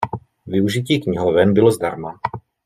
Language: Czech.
Využití knihoven bylo zdarma.